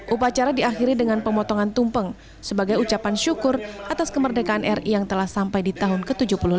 upacara diakhiri dengan pemotongan tumpeng sebagai ucapan syukur atas kemerdekaan ri yang telah sampai di tahun ke tujuh puluh lima